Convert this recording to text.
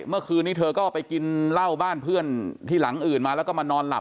เมื่อคืนนี้เธอก็ไปกินเหล้าบ้านเพื่อนที่หลังอื่นมาแล้วก็มานอนหลับ